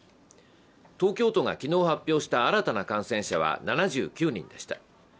東京都が昨日発表した新たな感染者は７９人でした。